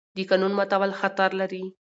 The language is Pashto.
د قانون ماتول خطر لري